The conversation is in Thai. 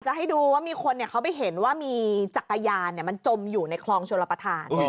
ให้ดูว่ามีคนเขาไปเห็นว่ามีจักรยานมันจมอยู่ในคลองชลประธาน